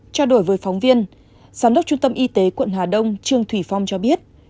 trao đổi với phóng viên giám đốc trung tâm y tế quận hà đông trương thủy phong cho biết